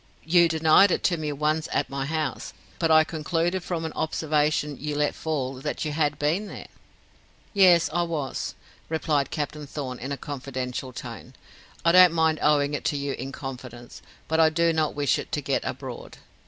"You denied it to me once at my house; but I concluded from an observation you let fall, that you had been here." "Yes, I was," replied Captain Thorn, in a confidential tone. "I don't mind owning it to you in confidence, but I do not wish it to get abroad.